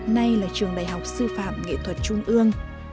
nay là trường đại học sư phạm nghệ thuật trung ương